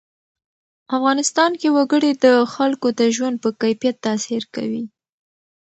افغانستان کې وګړي د خلکو د ژوند په کیفیت تاثیر کوي.